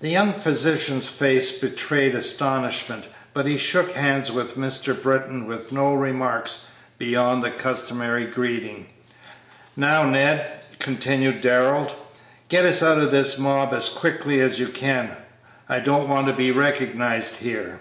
The young physician's face betrayed astonishment, but he shook hands with Mr. Britton with no remarks beyond the customary greeting. "Now, Ned," continued Darrell, "get us out of this mob as quickly as you can; I don't want to be recognized here."